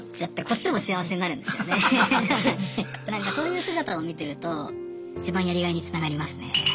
なんかそういう姿を見てるといちばんやりがいにつながりますね。